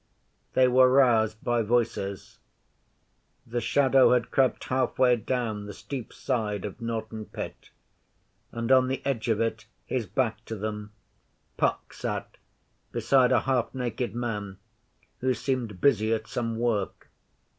They were roused by voices. The shadow had crept halfway down the steep side of Norton Pit, and on the edge of it, his back to them, Puck sat beside a half naked man who seemed busy at some work.